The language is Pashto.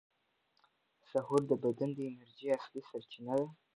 سحور د بدن د انرژۍ اصلي سرچینه ده.